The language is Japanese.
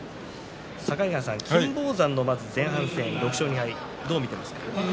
境川さん、金峰山の前半戦６勝２敗、どう見ていますか？